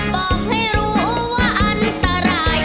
บอกให้รู้ว่าอันตราย